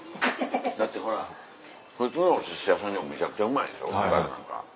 だってほら普通のお寿司屋さんでもめちゃくちゃうまいんでしょ魚とか。